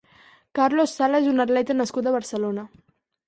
Carlos Sala és un atleta nascut a Barcelona.